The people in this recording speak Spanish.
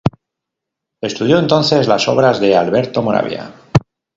Estudió entonces las obras de Alberto Moravia.